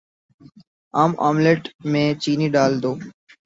عام آملیٹ میں چینی ڈال دو